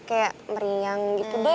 kayak meriang gitu deh